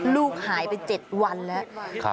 ลูกหายไป๗วันแล้ว